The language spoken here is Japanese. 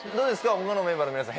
他のメンバーの皆さん